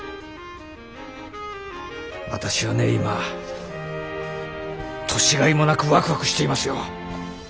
私はね今年がいもなくワクワクしていますよ。